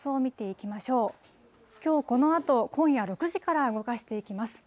きょうこのあと、今夜６時から動かしていきます。